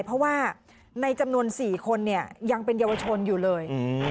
เพราะว่าในจำนวน๔คนเนี่ยยังเป็นเยาวชนอยู่เลย